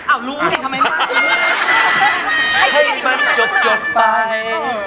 อ๋ะรู้ดิทำไมให้มันจบจบไป